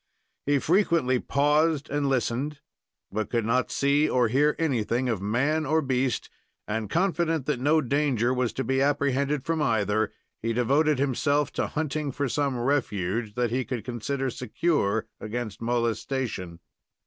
He frequently paused and listened, but could not see or hear anything of man or beast, and, confident that no danger was to be apprehended from either, he devoted himself to hunting for some refuge, that he could consider secure against molestation.